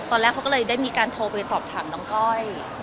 ตอนแรกเขาก็เลยได้มีการโทรไปสอบถามน้องก้อย